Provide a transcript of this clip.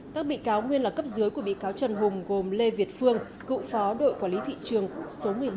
các bị cáo nguyên là cấp dưới của bị cáo trần hùng gồm lê việt phương cựu phó đội quản lý thị trường số một mươi bảy